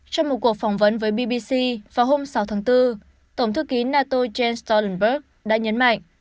trong một cuộc phỏng vấn với bbc vào hôm sáu tháng bốn tổng thư ký nato jens stolenberg đã nhấn mạnh